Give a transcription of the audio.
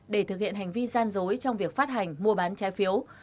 để thực hiện hành vi gian dối trong việc phát hành mua bán trái phiếu